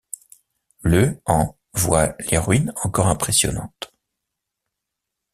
Le en voit les ruines encore impressionnantes.